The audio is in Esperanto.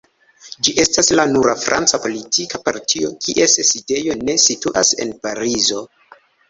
Ĝi estas la nura franca politika partio, kies sidejo ne situas en Parizo.